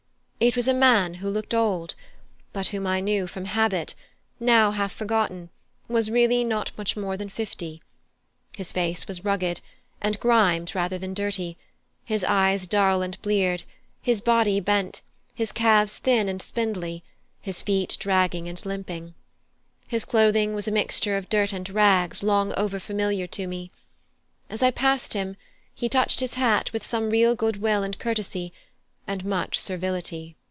It was a man who looked old, but whom I knew from habit, now half forgotten, was really not much more than fifty. His face was rugged, and grimed rather than dirty; his eyes dull and bleared; his body bent, his calves thin and spindly, his feet dragging and limping. His clothing was a mixture of dirt and rags long over familiar to me. As I passed him he touched his hat with some real goodwill and courtesy, and much servility.